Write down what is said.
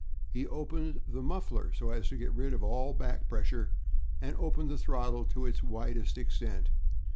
He opened the muffler so as to get rid of all back pressure, and opened the throttle to its widest extent.